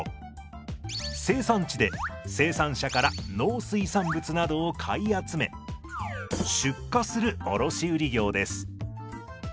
生産地で生産者から農水産物などを買い集め出荷する卸売業です。